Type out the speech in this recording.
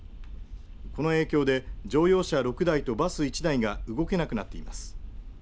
この影響で乗用車６台とバス１台が動けなくなっています。